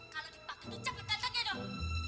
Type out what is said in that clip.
kalau dipakai tuh cepet tantannya dong